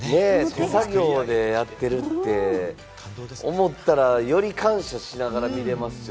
手作業でやってるって思ったら、より感謝しながら見られますよ。